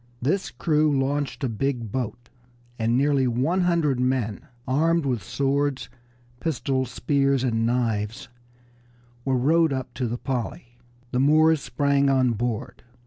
This crew launched a big boat, and nearly one hundred men, armed with swords, pistols, spears, and knives, were rowed up to the Polly. The Moors sprang on board.